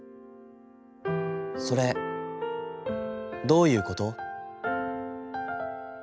『それ、どういうこと』。